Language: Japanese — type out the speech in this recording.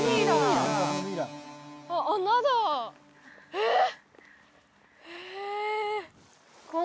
えっ！